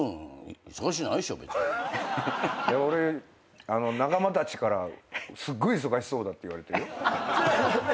でも俺仲間たちからはすっごい忙しそうだって言われてるよ。